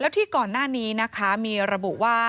แล้วที่ก่อนหน้านี้มีระบุว่า